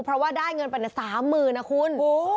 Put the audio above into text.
เพราะว่าได้เงินไป๓๐๐๐นะคุณ